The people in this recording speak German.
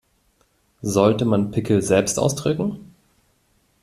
Sollte man Pickel selbst ausdrücken?